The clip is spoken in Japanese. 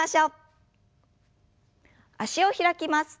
脚を開きます。